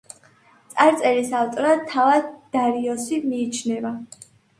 წარწერის ავტორად თავად დარიოსი მიიჩნევა.